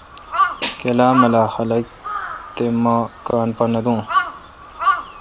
کلا ملا خلق تہ مہ کان نہ دوں۔